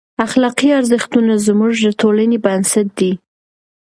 اخلاقي ارزښتونه زموږ د ټولنې بنسټ دی.